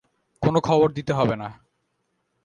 কোনো খবর দিতে হবে না।